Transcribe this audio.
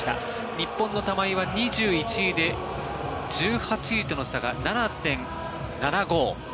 日本の玉井は２１位で１８位との差が７．７５。